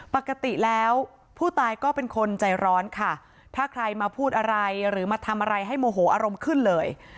ปกติแล้วผู้ตายก็เป็นคนใจร้อนค่ะถ้าใครมาพูดอะไรหรือมาทำอะไรให้โมโหอารมณ์ขึ้นเลย